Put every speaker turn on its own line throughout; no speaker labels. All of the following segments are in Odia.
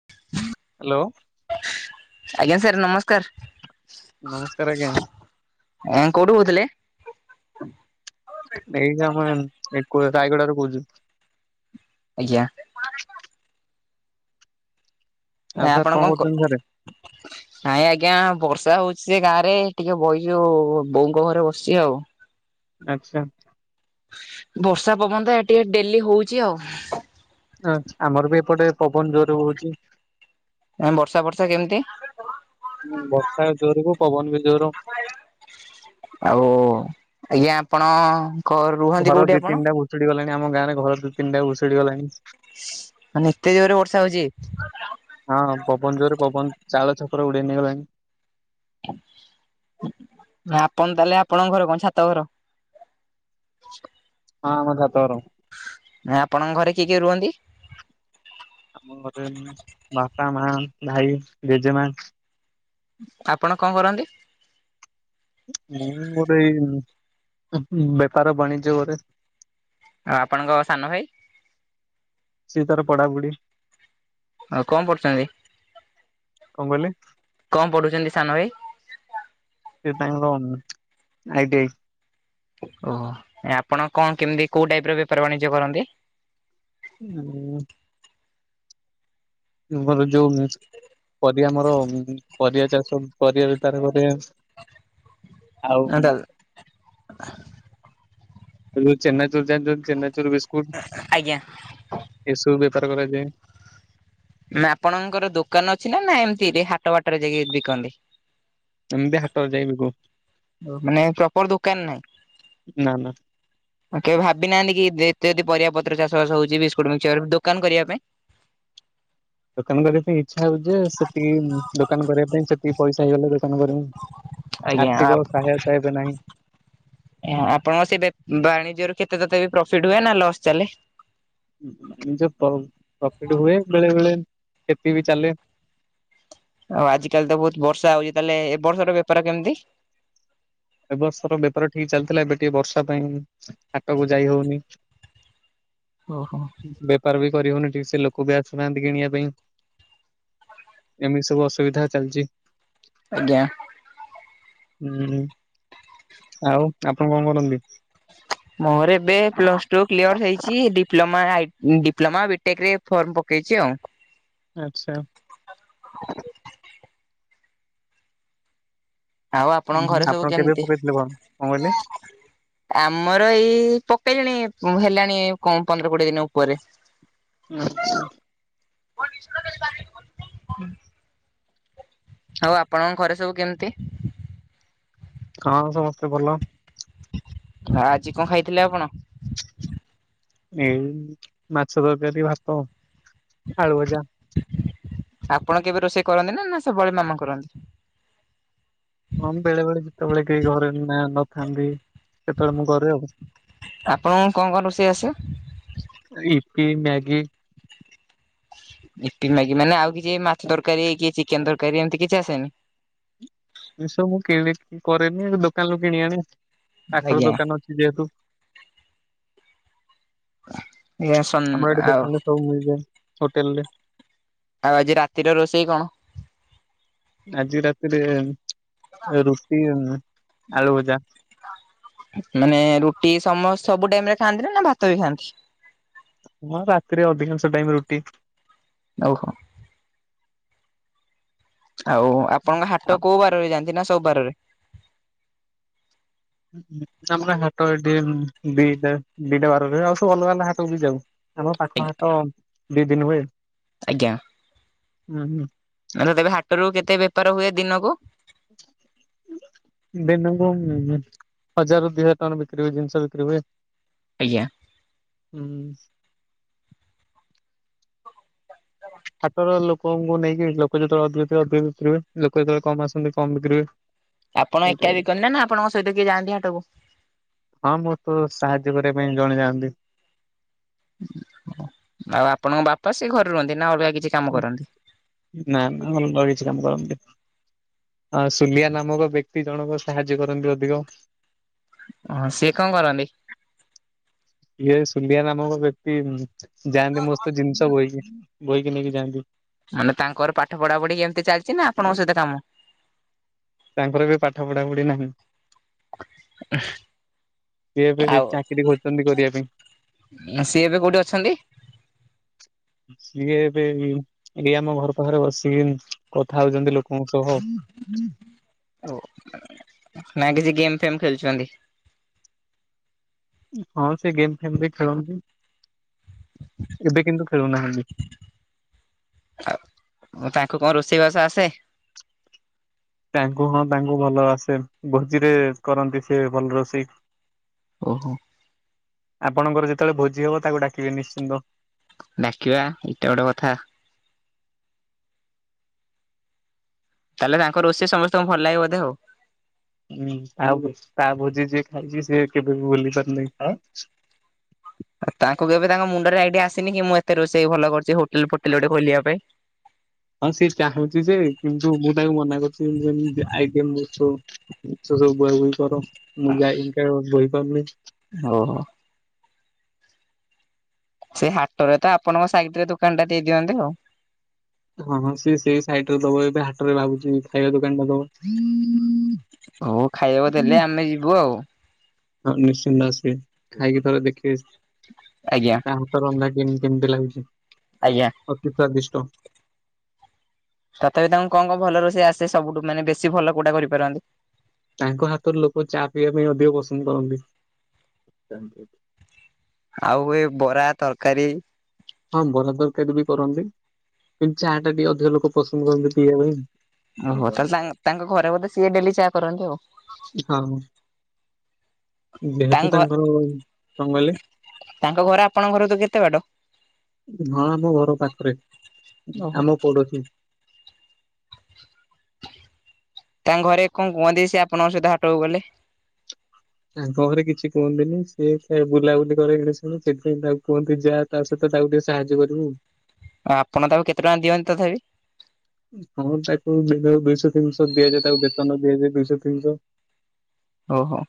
[inaudible]
ହାଲୋ।
ଆଜ୍ଞା ସାର୍ ନମସ୍କାର।
ନମସ୍କାର ଆଜ୍ଞା।
ଆଁ କୋଉଠୁ କହୁଥିଲେ?
ଏଇ ଆମ ଏ କୋଉ ରାୟଗଡାରୁ କହୁଚି।
ଆଜ୍ଞା।
ଆଉ
ଆ
ସାର୍
ଆପଣ କଣ କ
କରୁଛନ୍ତି ସାରେ?
ନାଇଁ ଆଜ୍ଞା ବର୍ଷା ହଉଚି ଯେ ଗାଁ ରେ ଟିକେ ବଇଚୁ ବୋଉଙ୍କ ଘରେ ବସିଚି ଆଉ।
ଆଚ୍ଛା।
ବର୍ଷା ପବନ ତ ଏଠି ଡେଲି ହଉଚି ଆଉ।
[unintelligible] ଆମର ବି ଏପଟେ ପବନ ଜୋରେ ହଉଚି।
ବର୍ଷା ଫର୍ଷା କେମତି?
ବର୍ଷା ଜୋରକୁୁ ପବନ ବି ଜୋର।
ଆଉ ଆଜ୍ଞା ଆପଣ କ ରୁହନ୍ତି
ଘର
କୋଉଠି
ଦି
ଆପଣ
ତିନିଟା ଭୁଷୁଡ଼ି ଗଲାଣି ଆମ ଗାଁରେ, ଘର ଦି ତିନିଟା ଭୁଷୁଡ଼ି ଗଲାଣି।
ମାନେ ଏତେ ଜୋରରେ ବର୍ଷା ହଉଚି।
ହଁ ପବନ ଜୋରେ ପବନ ଚାଳ ଛପର ଉଡେଇ ନେଇଗଲାଣି।
ନା ଆପଣ ତାହେଲେ ଆପଣଙ୍କ ଘର କଣ ଛାତ ଘର?
ହଁ ଆମର ଛାତ ଘର।
ଭାଇ ଆପଣଙ୍କ ଘରେ କିଏ କିଏ ରୁହନ୍ତି?
ଆମ ଘରେ ବାପା, ମା, ଭାଇ, ଜେଜେମା।
ଆପଣ କଣ କରନ୍ତି?
ମୁଁ ମୋର ଏଇ ବେପାର ବାଣିଜ୍ୟ କରେ।
ଆଉ ଆପଣଙ୍କ ସାନ ଭାଇ?
ସିଏ ତାର ପଢାପଢି।
ଆଉ କଣ ପଢୁଛନ୍ତି?
କଣ କହିଲେ?
କଣ ପଢୁଛନ୍ତି ସାନ ଭାଇ?
ସିଏ ତାଙ୍କର ଆଇ ଟି ଆଇ।
ଓହୋ। ନାଇ ଆପଣ କଣ କେମିତି କୋଉ ଟାଇପ୍ ର ବେପାର ବାଣିଜ୍ୟ କରନ୍ତି?
ମୁଁ ମୁଁ ଭଲ ଯୋଉ ମୁଁ ପରିବା ଆମର ପରିବା ଚାଷ ପରିବା ବେପାର କରେ। ଆଉ ଚେନାଚୁର୍ ଜାଣିଚନ୍ତି ଚେନାଚୁର୍ ବିସ୍କୁଟ
ଆଜ୍ଞା
ଏସବୁ ବେପାର କରାଯାଏ।
ନା ଆପଣଙ୍କର ଦୋକାନ ଅଛି ନା ନା ଏମିତି ରେ ହାଟ ବାଟରେ ଯାଇକି ବିକନ୍ତି?
ଏମିତି ହାଟରେ ଯାଇକି ବିକୁ।
ମାନେ ପ୍ରପର ଦୋକାନ ନାହିଁ?
ନା ନା
କେବେ ଭାବି ନାହାନ୍ତି କି ଏତେ ଯଦି ପରିବା ପତ୍ର ଚାଷ ବାସ ହଉଚି ବିସ୍କୁଟ ମିକ୍ସଚର ଦୋକାନ କରିବା ପାଇଁ?
ଦୋକାନ କରିବା ପାଇଁ ଇଚ୍ଛା ହଉଚି ଯେ, ସେତିକି ଦୋକାନ କରିବା ପାଇଁ ସେତିକି ପଇସା ହେଇଗଲେ କରିବୁ।
ଆଜ୍ଞା
ଆର୍ଥିକ ସହାୟତା ଏବେ ନାହିଁ।
ଆପଣଙ୍କ ସେ ବେ ବାଣିଜ୍ୟ ରୁ କେତେ ତଥାପି ବି ପ୍ରଫିଟ୍ ହୁଏ ନା ଲସ୍ ଚାଲେ?
ପ୍ରଫିଟ୍ ହୁଏ ବେଳେ ବେଳେ କ୍ଷତି ବି ଚାଲେ।
ଆଉ ଆଜି କାଲି ତ ବହୁତ ବର୍ଷା ହଉଚି, ତାହେଲେ ଏ ବର୍ଷ ର ବେପାର କେମିତି?
ଏ ବର୍ଷର ବେପାର ଠିକ୍ ଚାଲିଥିଲା ଏବେ ଟିକେ ବର୍ଷା ପାଇଁ ହାଟକୁ ଯାଇ ହଉନି।
ଓହୋ।
ବେପାର ବି କରିି ହଉନି ଠିକ୍ ସେ ଲୋକ ବି ଆସୁ ନାହାନ୍ତି କିଣିବା ପାଇଁ। ଏମିତି ସବୁ ଅସୁବିଧା ଚାଲିଛି।
ଆଜ୍ଞା।
ହୁଁ ଆଉ ଆପଣ କଣ କରନ୍ତି?
ମୋର ଏବେ ପ୍ଲସ ଟୁ କ୍ଲିୟର୍ ହେଇଛି ଡିପ୍ଲୋମା ମୋର ଆଇ ଡିପ୍ଲୋମା ବିଟେକ ରେ ଫର୍ମ ପକେଇଛି ଆଉ।
ଆଚ୍ଛା।
[inaudible] ଆଉ
ଉଁ
ଆପଣଙ୍କ
ହୁଁ।
ଘରେ ସବୁ
ଆପଣ କେବେ
କେମିତି?
ପକେଇଥିଲେ କଣ କଣ କହିଲେ?
ଆମର ଇଏ ପକେଇ ଲେଣି ହେଲାଣି ପନ୍ଦର କୋଡିଏ ଦିନ ଉପରେ।
ଆଚ୍ଛା।
ଆଉ ଆପଣଙ୍କ ଘରେ ସବୁ କେମିତି?
ହଁ ସମସ୍ତେ ଭଲ।
ଆଜି କଣ ଖାଇଥିଲେ ଆପଣ?
ଏଇ ମାଛ ତରକାରୀ, ଭାତ, ଆଳୁଭଜା।
ଆପଣ କେବେ ରୋଷେଇ କରନ୍ତି ନା ନା ସବୁବେଳେ ମାମା କରନ୍ତି?
ହଁ ବେଳେ ବେଳେ ଯେତେବେଳେ କେହି ଘରେ ନା ନ ଥାନ୍ତି କେତେବେଳେ ମୁଁ କରେ ଆଉ।
ଆପଣଙ୍କୁ କଣ କଣ ରୋଷେଇ ଆସେ?
ଇପି, ମ୍ୟାଗି।
ଇପୀ ମାଗି ମାନେ ଆଉ କିଛି ମାଛ ତରକାରୀ କି ଚିକେନ୍ ତରକାରୀ ଏମିତି କିଛି ଆସେନି?
ଏ ସବୁ ମୁଁ କିଣିକି କରେନି ଦୋକାନରୁୁ କିଣି ଆଣେ ପାଖରେ
ଆଜ୍ଞା
ଦୋକାନ ଅଛି। ଯେହେତୁ
ଆଜ୍ଞା ସନ୍
ଆମର ଏଇଠି
ଆଉ
ଦୋକାନରେ ସବୁ ମିଳିଯାଏ ହୋଟେଲରେ।
ଆଉ ଆଜି ରାତିର ରୋଷେଇ କଣ?
ଆଜି ରାତିରେ ରୁଟି, ଆଳୁ ଭଜା।
ମାନେ ରୁଟି ସମ ସବୁ ଟାଇମ୍ ରେ ଖାଆନ୍ତି ନା ନା ଭାତ ବି ଖାଆନ୍ତି?
ମୁଁ ରାତିରେ ଅଧିକାଂଶ ଟାଇମ୍ ରୁଟି
ଓହୋ। ଆଉ ଆପଣଙ୍କ
ଆଉ
ହାଟ କୋଉ ବାରରେ ଯାଆନ୍ତି ନା ସବୁ ବାରରେ?
ଆମର ହାଟ ଏଠି ଦିଟା ଦିଟା ବାରରେ ଆଉ ସବୁ ଅଲଗା ଅଲଗା ହାଟକୁ ବି ଯାଉ। ଆମ ପାଖ ହାଟ ଦି ଦିନି ହୁଏ।
ଆଜ୍ଞା।
ହୁଁ, ହୁଁ।
[unintelligible] ତେବେ ହାଟରୁ କେତେ ବେପାର ହୁଏ ଦିନକୁ।
[inaudible] ଦନୁକୁ ଉଁ ଉଁ ହଜାରରୁ ଦି ହଜାର ଟଙ୍କା ବିକ୍ରି ହୁଏ ଜିନିଷ ବିକ୍ରି ହୁଏ।
ଆଜ୍ଞା।
ହୁଁ। ହାଟର ଲୋକଙ୍କୁ ନେଇକି ଲୋକ ଯେତେବେଳେ ଅଧିକ ଥିବେ ଅଧିକ ବିକ୍ରି ହୁଏ, ଲୋକ ଯେତେବେଳେ କମ୍ ଆସନ୍ତି କମ୍ ବିକ୍ରୀ ହୁଏ।
ଆପଣ
ଏଇଟା
ଏକା ବି କରନ୍ତି ନା ଆପଣଙ୍କ ସହିତ କିଏ ଯାଆନ୍ତି ହାଟକୁ?
ହଁ ମୁଁ ତୁ ସାହାଯ୍ୟ କରିବା ପାଇଁ ଜଣେଇ ଯାଆନ୍ତି।
ଆଉ ଆପଣଙ୍କ ବାପା ସେ ଘରେ ରୁହନ୍ତି ନା ଅଲଗା କିଛି କାମ କରନ୍ତି।
ନା ନା ଅଲଗା କିଛି କାମ କରନ୍ତି ନି। ହ ସୁଲିଆ ନାମକ ବ୍ୟକ୍ତି ଜଣକ ସାହାଯ୍ୟ କରନ୍ତି ଅଧିକ।
ଓହ ସିଏ କଣ କରନ୍ତି।
ଇଏ ସୁଲିଆ ନାମକ ବ୍ୟକ୍ତି ଯାଆନ୍ତି ମ ସହିତ ଜିନିଷ ବୋହିକି ବୋହିକି ନେଇକି ଯାଆନ୍ତି।
ମାନେ ତାଙ୍କର ପାଠ ପଢା ପଢି ଏମିତି ଚାଲିଛି ନା ଆପଣଙ୍କ ସହିତ କାମ।
ତାଙ୍କର ଏବେ ପାଠ ପଢା ପଢି ନାହିଁ। ସିଏ ଏବେ
ଆଉ
ଚାକିରି ଖୋଜଛନ୍ତି କରିବା ପାଇଁ।
ସିଏ ଏବେ କୋଉଠି ଅଛନ୍ତି?
ସିଏ ଏବେ ଏଇ ଏଇ ଆମ ଘର ପାଖରେ ବସିକି କଥା ହଉଛନ୍ତି ଲୋକଙ୍କ ସହ।
ଓ ନା କିଛି ଗେମ୍ ଫେମ୍ ଖେଳୁଛନ୍ତି।
ହଁ ସେ ଗେମ୍ ଫେମ୍ ବି ଖେଳନ୍ତି ଏବେ କିନ୍ତୁ ଖେଳୁନାହାନ୍ତି।
ହ ତାଙ୍କୁ କଣ ରୋଷେଇବାସ ଆସେ?
ତାଙ୍କୁ ହଁ ତାଙ୍କୁ ଭଲ ଆସେ ଭୋଜିରେ କରନ୍ତି ସିଏ ଭଲ ରୋଷେଇ।
ଓହୋ।
ଆପଣଙ୍କର ଯେତେବେଳେ ଭୋଜି ହବ ତାକୁ ଡାକିବେ ନିଶ୍ଚିନ୍ତ।
ଡାକିବା ଏଇଟା ଗୋଟେ କଥା। ତାହେଲେ ତାଙ୍କ ରୋଷେଇ ସମସ୍ତଙ୍କୁ ଭଲ ଲାଗେ ବଧେ ଆଉ
ହୁଁ ଆଉ ତା ଭୋଜି ଯିଏ ଖାଇଛି ସିଏ କେବେ ବି ବୁଲି ପାରୁନାହିଁ ଖ
ଆଉ ତାଙ୍କୁ କେବେ ତାଙ୍କ ମୁଣ୍ଡରେ ଆଇଡିଆ ଆସେନି ମୁଁ ଏତେ ରୋଷେଇ ଭଲ କରୁଛି ହୋଟେଲ୍ ଫୋଟେଲ୍ ଗୋଟେ ଖଲିବା ପାଇଁ।
ହଁ ସେ ଚାହୁଁଛି ଯେ କିନ୍ତୁ ମୁଁ ତାକୁ ମନା କରୁଛି [unintelligible] ତୁ ସବୁ ବହି ବହି କର ମୁଁ ଯାଇ ବହି ପାରୁନି।
ଓଉ ହୋ। ସେଇ ହାଟରେ ତ ଆପଣଙ୍କ ସାଇଡ଼ରେ ଦୋକାନ ଟା ଦେଇଦିଅନ୍ତେ ଆଉ।
ହଁ ହଁ ସିଏ ସେଇ ସାଇଡରେ ଦବ ଏବେ ହାଟ ରେ ଭାବୁଛି ଖାଇବା ଦୋକାନ ଟା ଦବ।
ହଉ ଖାଇବାକୁ ଦେଲେ ଆମେ ଯିବୁ ଆଉ।
ହଉ ନିଶ୍ଚିନ୍ତ ଆସିବେ ଖାଇକି ଥରେ ଦେଖିବେ।
ଆଜ୍ଞା।
ତା ହାତ ରନ୍ଧା କେମିତି କେମିତି ଲାଗୁଛି।
ଆଜ୍ଞା।
ଅତିସ୍ଵାଦିଷ୍ଟ
ତଥାପି ତାଙ୍କୁ କଣ କଣ ଭଲ ରଷେଇ ଆସେ ସବୁଠୁ ମାନେ ବେଶୀ ଭଲ କୋଉଟା କରିପାରନ୍ତି।
ତାଙ୍କ ହାତର ଲୋକ ଚା ପିଇବା ପାଇଁ ଅଧିକ ପସନ୍ଦ କରନ୍ତି।
ଆଉ ଏ ବରା ତରକାରୀ
ହଁ ଵରା ତରକାରୀ ବି କରନ୍ତି। କିନ୍ତୁ ଚା ଟା ଟିକେ ଅଧିକ ଲୋକ ପସନ୍ଦ କରନ୍ତି ପିଇବା ପାଇଁ।
ଓହୋ ତାହଲେ ତାଙ୍କ ଘରେ ବୋଧେ ସିଏ ଡେଲି ଚା କରନ୍ତି ଆଉ।
ହଁ
ତାଙ୍କ
ଯେହେତୁ
ଘ
ତାଙ୍କର ଵଙ୍ଗାଲି
ତାଙ୍କ ଘର ଆପଣଙ୍କ ଘର ତୁ କେତେ ବାଟ?
ହଁ ଆମ ଘର ପାଖରେ
ଓହୋ
ଆମ ପୋଡୋସୀ
ତାଙ୍କ ଘରେ କଣ କୁହନ୍ତି ସେ ଆପଣଙ୍କ ସହିତ ହାଟକୁ ଗଲେ।
ତାଙ୍କ ଘରେ କିଛି କୁହନ୍ତିନି ସିଏ ଖ ବୁଲାବୁଲି କରି [unintelligible] ସେଥିପାଇଁ ତାକୁ କୁହନ୍ତି ଯା। ତା ସହିତ ତାକୁ ଟିକେ ସାହାଯ୍ୟ କରିବୁ।
ଆଉ ଆପଣ ତାକୁ କେତେ ଟଙ୍କା ଦିଅନ୍ତି ତଥାପି
ହଁ ତାକୁ ଦିଏ ଦୁଇଶହ ତିନିଶହ ଦିଆଯାଏ ତାକୁ ବେତନ ଦିଆଯାଏ ଦୁଇଶହ ତିନିଶହ
ଓହୋ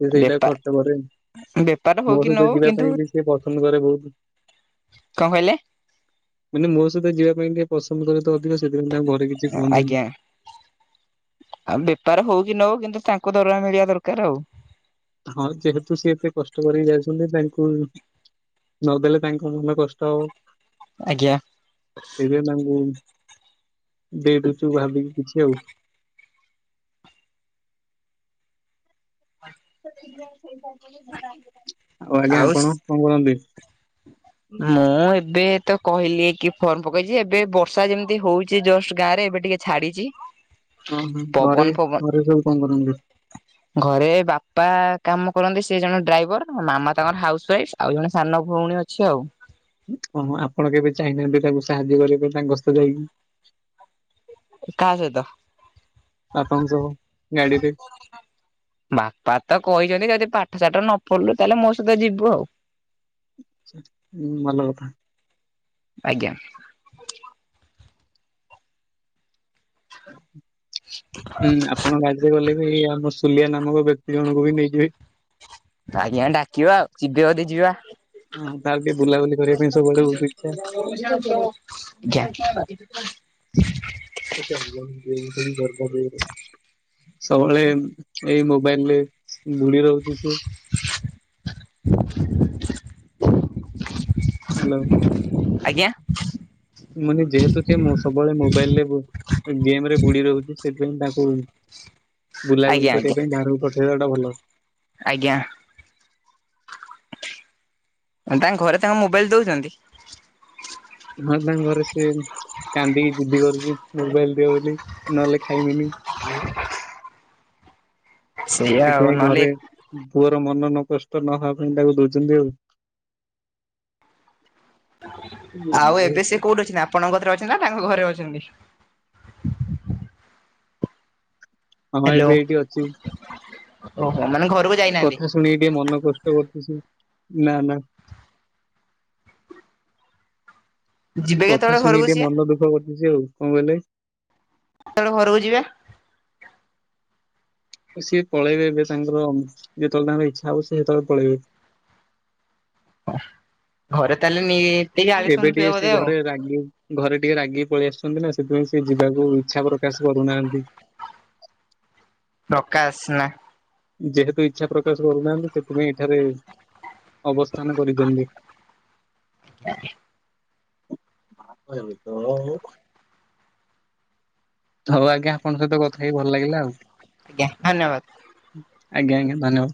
ସେ ସେଇଟା ଖର୍ଚ୍ଚ କରେ
ବେପାର ବେପାର୍
ମୋ
ହଉ କି ନ
ସହିତ
ହଉ
ଯିବା
କିନ୍ତୁ
ପାଇଁ ବି ସେ ପସନ୍ଦ କରେ ବହୁତ
କଣ କହିଲେ?
ମାନେ ମୋ ସହିତ ଯିବା ପାଇଁ ଟିକେ ପସନ୍ଦ କରେ ତ ଅଧିକ ସେଥିପାଇଁ ତାଙ୍କ ଘରେ କିଛି କୁହନ୍ତିନି।
ଆଜ୍ଞା ଆଉ ବେପାର ହଉ କି ନ ହଉ କିନ୍ତୁ ତାଙ୍କ ଦରମା ମିଳିବା ଦରକାର ଆଉ।
ହଁ ଯେହେତୁ ସି ଏତେ କଷ୍ଟ କରିକି ଯାଇଚନ୍ତି ତାଙ୍କୁ ନଦେଲେ ତାଙ୍କ ମନ କଷ୍ଟ ହବ।
ଆଜ୍ଞା।
ସେଇଥିପାଇଁ ତାଙ୍କୁ ଦେଇ ଦଉଚି ଭାବିକି କିଛି ଆଉ। ଆଉ ଆଜ୍ଞା ଆପଣ
ଆଉ
କଣ କରନ୍ତି?
ମୁଁ ଏବେ ତ କହିଲି କି ଫର୍ମ ପକେଇଚି ଏବେ ବର୍ଷା ଯେମିତି ହଉଚି ଜଷ୍ଟ ଗାଁରେ ଏବେ ଟିକେ ଛାଡିଚି।
ହଁ ହଁ ଘରେ ଘରେ ସବୁ କଣ କରନ୍ତି।
ଘରେ ବାପା କାମ କରନ୍ତି। ସେ ଜଣେ ଡ୍ରାଇଭର ମାମା ତାଙ୍କର ହାଉସ୍ ୱାଇଫ୍ ଆଉ ଜଣେ ସାନ ଭଉଣୀ ଅଛି ଆଉ।
ଓହୋ ଆପଣ କେବେ ଚାହିଁନାହାନ୍ତି ତାକୁ ସାହାଯ୍ୟ କରିବାକୁ ତାଙ୍କ ସହିତ ଯାଇକି।
କାହା ସହିତ?
ବାପଙ୍କ ସହ ଗାଡିରେ।
ବାପା ତ କହିଚନ୍ତି ଯଦି ପାଠ ଷାଠ ନ ପଢିଲୁ ତାହେଲେ ମୋ ସହିତ ଯିବୁ ଆଉ।
ହୁଁ ଭଲ କଥା।
ଆଜ୍ଞା। [inaudible]
ହୁଁ ଆପଣ ଗାଡିରେ ଗଲେ ବି ଆମ ସୁଲିଆ ନାମକ ବ୍ୟକ୍ତି ଜଣଙ୍କୁ ବି ନେଇଯିବେ।
ଆଜ୍ଞା ଡାକିବା ଆଉ ଯିବେ ଯଦି ଯିବା।
ହଁ ତାର ବି ବୁଲାବୁଲି କରିବା ପାଇଁ ସବୁଆଡେ ବହୁତ ଇଚ୍ଛା।
[unintelligible]
[unintelligible] କେହି କରିପାରିବେନି। ସବୁବେଳେ ଏଇ ମୋବାଇଲରେ ବୁଡି ରହୁଚି ସିଏ। ହାଲୋ।
ଆଜ୍ଞା।
ମାନେ ଯେହେତୁ ଯେ ମୋ ସବୁବେଳେ ମୋବାଇଲରେ ବୁ ଗେମରେ ବୁଡି ରହୁଚି ସେଥିପାଇଁ ତାଙ୍କୁ ବୁଲାବୁଲି
ଆଜ୍ଞା
କରିବା ପାଇଁ ବାହାରକୁ ପଠେଇବା ଟା ଭଲ।
ଆଜ୍ଞା। ତାଙ୍କ ଘରେ ତାଙ୍କୁ ମୋବାଇଲ ଦଉଚନ୍ତି।
ହଁ ତାଙ୍କ ଘରେ ସିଏ କାନ୍ଦିକି ଜିଦି କରୁଚି ମୋବାଇଲ ଦିଅ ବୋଲି ନହେଲେ ଖାଇମିନି।
ସେଇଆ ଆଉ
ସେଥିପାଇଁ
ନହେଲେ
ଘରେ ପୁଅର ମନ ନକଷ୍ଟ ନହବା ପାଇଁ ତାକୁ ଦଉଚନ୍ତି ଆଉ।
ଆଉ ଏବେ ସେ କୋଉଠି ଅଛନ୍ତି? ଆପଣଙ୍କ କତିରେ ଅଛନ୍ତି ନା ତାଙ୍କ ଘରେ ଅଛନ୍ତି।
ହଁ
ହ୍ୟାଲୋ
ଏବେ ଏଇଠି ଅଛି
ଓହୋ ମାନେ ଘ
କଥା ଶୁଣିକି ଟିକେ ମନ କଷ୍ଟ କରଚି ସିଏ ନା ନା।
ଯିବେ
କଥା
କେତେବେଳେ
ଶୁଣିକି
ଘରକୁ
ଟିକେ
ସିଏ
ମନ ଦୁଃଖ କରୁଚି ସିଏ ଆଉ, କଣ କହିଲେ?
କେତେବେଳେ ଘରକୁ ଯିବା?
ସିଏ ପଳେଇବେ ଏବେ ତାଙ୍କର ଯେତେବେଳେ ତାଙ୍କର ଇଚ୍ଛା ହବ ସିଏ ହେତେବେଳେ ପଳେଇବେ।
[unintelligible] ଘରେ ତାହେଲେ ନିଏ।
ଏବେ ଟିକେ ସିଏ ଘରେ ରାଗେ। ଘରେ ଟିକେ ରାଗିକି ପଳେଇ ଆସିଚନ୍ତି ନା ସେଥିପାଇଁ ସିଏ ଯିବାକୁ ଇଚ୍ଛା ପ୍ରକାଶ କରୁନାହାନ୍ତି।
ଡକା ଆସ୍ ନା।
ଯେହେତୁ ଇଚ୍ଛା ପ୍ରକାଶ କରୁନାହାନ୍ତି ସେଥିପାଇଁ ଏଠାରେ ଅବସ୍ଥାନ କରିଛନ୍ତି।
[unintelligible]
[unintelligible] ହଉ ଆଜ୍ଞା ଆପଣଙ୍କ ସହିତ ଗପିକି ଭଲ ଲାଗିଲା ଆଉ।
ଜ୍ଞା ଧନ୍ୟବାଦ।
ଆଜ୍ଞା ଆଜ୍ଞା ଧନ୍ୟବାଦ।